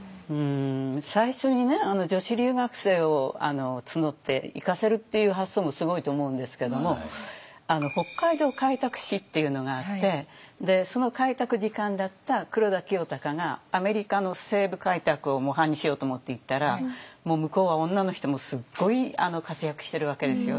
最初に女子留学生を募って行かせるっていう発想もすごいと思うんですけども北海道開拓使っていうのがあってその開拓次官だった黒田清隆がアメリカの西部開拓を模範にしようと思って行ったらもう向こうは女の人もすごい活躍してるわけですよ